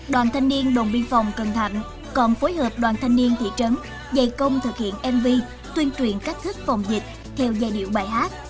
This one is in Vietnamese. đoàn thanh niên đồng biên phòng cần thạnh còn phối hợp đoàn thanh niên thị trấn dày công thực hiện mv tuyên truyền cách thức phòng dịch theo giai điệu bài hát